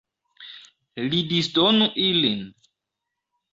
Li disdonu ilin.